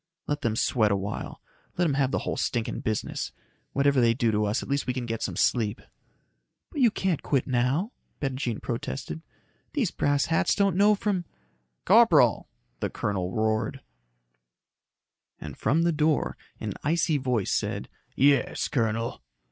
"Let them sweat a while. Let 'em have the whole stinking business. Whatever they do to us, at least we can get some sleep." "But you can't quit now," Bettijean protested. "These brass hats don't know from " "Corporal!" the colonel roared. And from the door, an icy voice said, "Yes, colonel?"